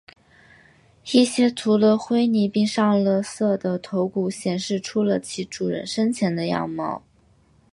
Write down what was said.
一些涂了灰泥并上了色的头骨显示出了其主人生前的样貌。